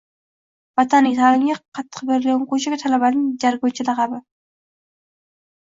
Botanik – ta’limga qattiq berilgan o‘quvchi yoki talabaning jargoncha laqabi.